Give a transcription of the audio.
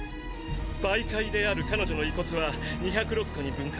媒介である彼女の遺骨は２０６個に分解。